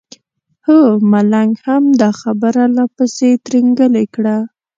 هو ملنګ هم دا خبره لا پسې ترینګلې کړه.